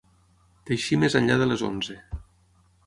Teixí més enllà de les onze.